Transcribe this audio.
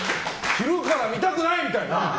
昼から見たくないみたいな。